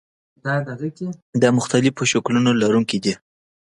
د مختلفو شکلونو لرونکي دي.